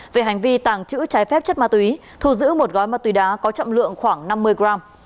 về hành vi tàng chữ trái phép chất ma túy thù giữ một gói ma túy đá có trọng lượng khoảng năm mươi g